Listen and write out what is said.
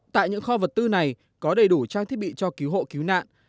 tại những kho vật tư này có đầy đủ trang thiết bị cho cứu hộ cứu nạn